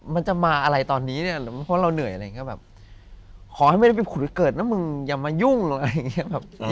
มันจะมาอะไรตอนนี้เนี่ยเพราะว่าเราเหนื่อยอะไรก็แบบขอให้ไม่ได้ไปผุดไปเกิดนะมึงอย่ามายุ่งอะไรอย่างนี้